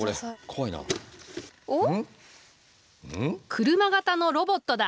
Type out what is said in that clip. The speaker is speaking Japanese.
車型のロボットだ。